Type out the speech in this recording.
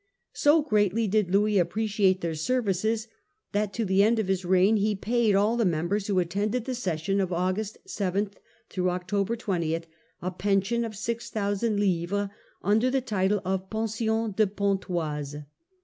So greatly did Louis appreciate their services that to the end of his reign he paid all the members who attended the session of August 7 — October 20 a pension of 6,000 livres, under the title of Pensions de Pontoise.